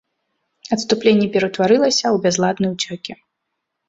Адступленне ператварылася ў бязладны ўцёкі.